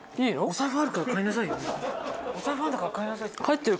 お財布あるんだから買いなさいって。